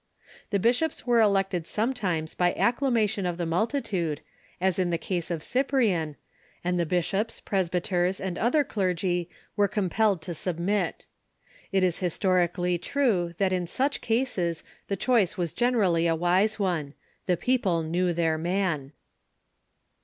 The bishops were elected sometimes by acclamation of the multitude, as in the case of Cyprian, and the bishops, presbyters, and other clergy were compelled to submit. It is historically true that in such cases the choice was generally a wise one. The people knew their man.